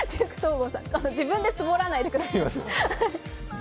自分でツボらないでください。